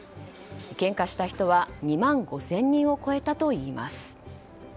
献花した人は、２万５０００人を超えたといいます。